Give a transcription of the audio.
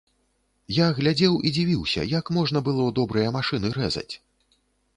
Я глядзеў і дзівіўся, як можна было добрыя машыны рэзаць.